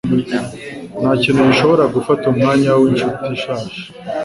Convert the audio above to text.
Ntakintu gishobora gufata umwanya winshuti ishaje